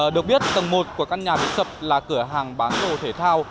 được biết tầng một của căn nhà bị sập là cửa hàng bán đồ thể thao